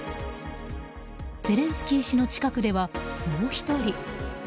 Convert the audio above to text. ゼレンスキー氏の近くではもう１人。